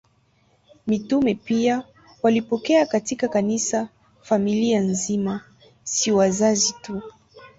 Mitume pia walipokea katika Kanisa familia nzima, si wazazi tu.